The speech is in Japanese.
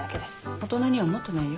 大人にはもっとないよ。